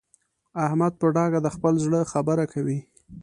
احمد په ډاګه د خپل زړه خبره کوي.